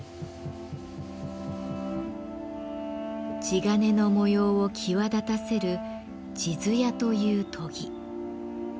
地鉄の模様を際立たせる「地艶」という研ぎ。